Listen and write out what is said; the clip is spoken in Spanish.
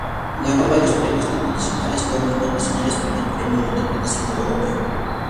Ganó varios premios, tanto nacionales como internacionales: primer premio de interpretación de Bolonia.